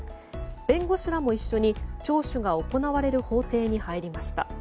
弁護士らも一緒に聴取が行われる法廷に入りました。